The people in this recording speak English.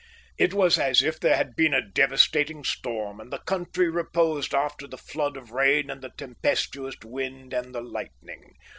It was as if there had been a devastating storm, and the country reposed after the flood of rain and the tempestuous wind and the lightning.